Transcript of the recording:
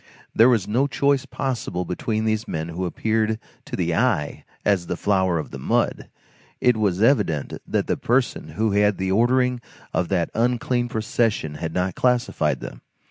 There was no choice possible between these men who appeared to the eye as the flower of the mud. It was evident that the person who had had the ordering of that unclean procession had not classified them.